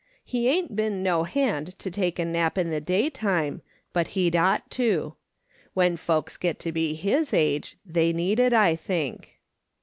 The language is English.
He ain't been no hand to take a nap in the daytime, but he'd ought to. AVhen folks get to be his age they need it, I think."